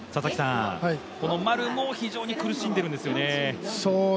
この丸も非常に苦しんでるんですよね。